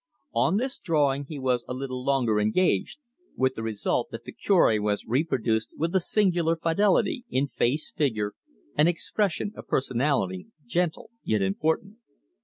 On this drawing he was a little longer engaged, with the result that the Cure was reproduced with a singular fidelity in face, figure, and expression a personality gentle yet important.